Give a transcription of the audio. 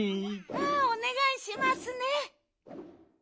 ああおねがいしますね。